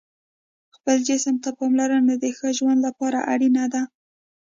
خپل جسم ته پاملرنه د ښه ژوند لپاره اړینه ده.